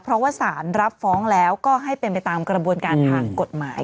เพราะว่าสารรับฟ้องแล้วก็ให้เป็นไปตามกระบวนการทางกฎหมาย